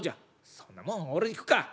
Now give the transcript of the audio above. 「そんなもん俺に効くか！